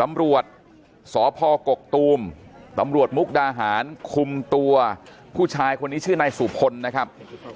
ตำรวจสพกกตูมตำรวจมุกดาหารคุมตัวผู้ชายคนนี้ชื่อนายสุพลนะครับ